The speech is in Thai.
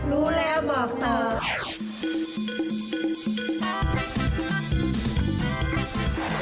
รู้แล้วเราก็บอกต่อ